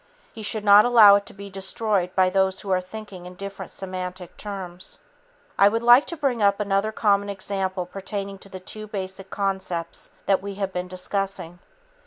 He should not allow it to be destroyed by those who are thinking in different semantic terms. I would like to bring up another common example pertaining to the two basic concepts that we have been discussing.